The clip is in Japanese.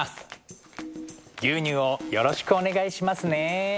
牛乳をよろしくお願いしますね。